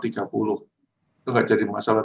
itu tidak jadi masalah